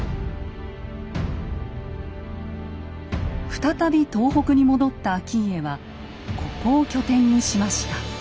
再び東北に戻った顕家はここを拠点にしました。